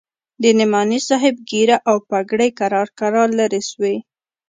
د نعماني صاحب ږيره او پګړۍ کرار کرار لرې سوې.